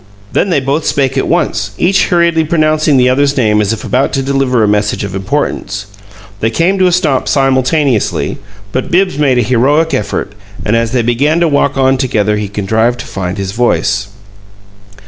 Then they both spoke at once, each hurriedly pronouncing the other's name as if about to deliver a message of importance. Then both came to a stop simultaneously, but Bibbs made a heroic effort, and as they began to walk on together he contrived to find his voice.